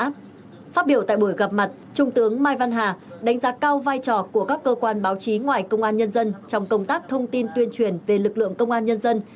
phát biểu tại buổi gặp mặt trung tướng mai văn hà đánh giá cao vai trò của các cơ quan báo chí ngoài công an nhân dân trong công tác thông tin tuyên truyền về lực lượng công an nhân dân